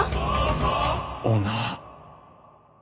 オーナー。